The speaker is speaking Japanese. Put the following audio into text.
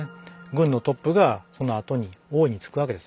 軍のトップがそのあとに王に就くわけです。